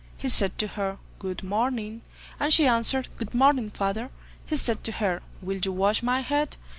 He said to her "Good morning." And she answered, "Good morning, father." He said to her, "Will you wash my head?"